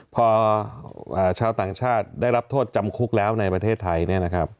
พอชาวต่างชาติได้รับโทษจำคุกแล้วในประเทศไทย